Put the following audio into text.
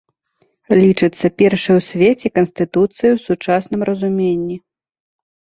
Лічыцца першай у свеце канстытуцыяй у сучасным разуменні.